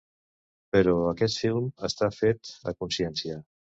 Però aquest film està fet a consciència.